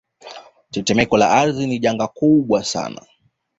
Tetemeko la ardhi ni janga kubwa sana